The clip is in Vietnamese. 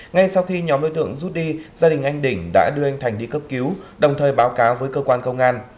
ngay sau khi nhóm đối tượng rút đi gia đình anh đỉnh đã đưa anh thành đi cấp cứu đồng thời báo cáo với cơ quan công an